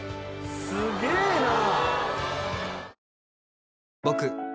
すげえな！